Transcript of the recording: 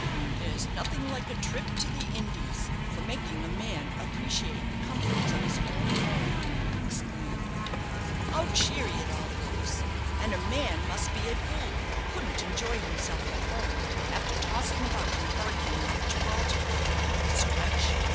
"There's nothing like a trip to the Indies for making a man appreciate the comforts of his own home," he exclaimed. "How cheery it all looks; and a man must be a fool who couldn't enjoy himself at home after tossing about in a hurricane off Gibraltar for a week at a stretch.